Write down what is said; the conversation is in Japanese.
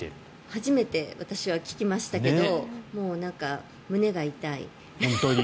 初めて私は聞きましたがもう、なんか、胸が痛い。